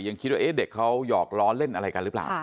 ยังคิดว่าเด็กเขาหยอกล้อเล่นอะไรกันหรือเปล่า